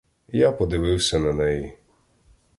Я подивився на неї.